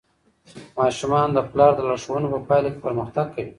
ماشومان د پلار د لارښوونو په پایله کې پرمختګ کوي.